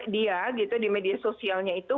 dia gitu di media sosialnya itu